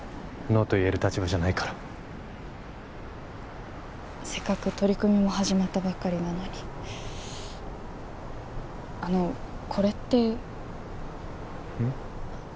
ノーと言える立場じゃないからせっかく取り組みも始まったばっかりなのにあのこれってうん？